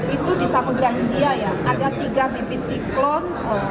itu di samudera india ya ada tiga bibit siklon